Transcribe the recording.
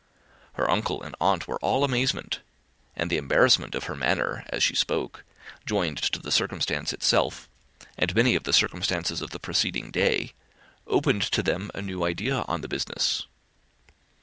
Her uncle and aunt were all amazement; and the embarrassment of her manner as she spoke, joined to the circumstance itself, and many of the circumstances of the preceding day, opened to them a new idea on the business.